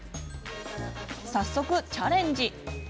早速チャレンジ。